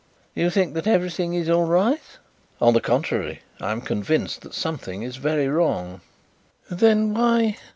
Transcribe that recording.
"You think that everything is all right?" "On the contrary, I am convinced that something is very wrong." "Then why